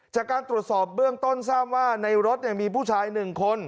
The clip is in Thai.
จากการตรวจสอบเบื้องต้นทราบว่าในรถมีผู้ชาย๑คน